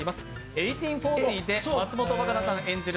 「１８／４０」で松本若菜さん演じる